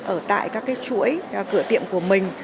ở tại các cái chuỗi cửa tiệm của mình